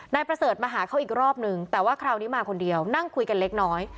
นายประเสริฐมาหาเขาอีกรอบนึงแต่ว่าคราวนี้มาคนเดียวนั่งคุยกันเล็กน้อย